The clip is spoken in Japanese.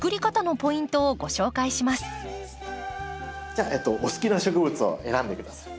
じゃあお好きな植物を選んで下さい。